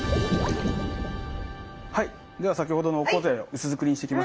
はいでは先ほどのオコゼを薄造りにしてきましたので。